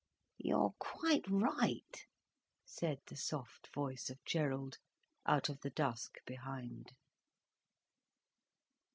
"You're quite right," said the soft voice of Gerald, out of the dusk behind.